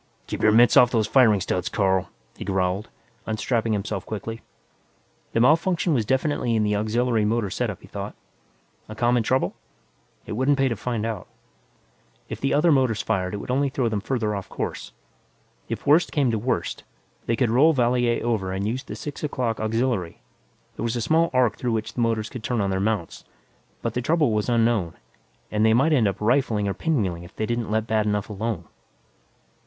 "Keep your mitts off those firing studs, Carl," he growled, unstrapping himself quickly. The malfunction was definitely in the auxiliary motor setup, he thought. A common trouble? It wouldn't pay to find out. If the other motors fired, it would only throw them farther off course. If worst came to worst, they could roll Valier over and use the six o'clock auxiliary; there was a small arc through which the motors could turn on their mounts. But the trouble was unknown, and they might end up rifling or pinwheeling if they didn't let bad enough alone.